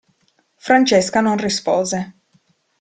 Francesca non rispose.